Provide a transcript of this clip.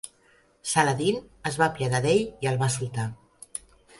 Saladin es va apiadar d'ell i el va soltar.